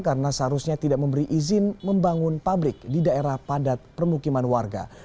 karena seharusnya tidak memberi izin membangun pabrik di daerah padat permukiman warga